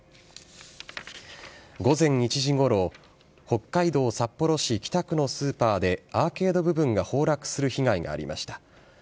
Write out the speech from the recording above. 午前１時ごろ、北海道札幌市北区のスーパーで、アーケード部分が崩落する被害がありました。